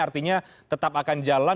artinya tetap akan jalan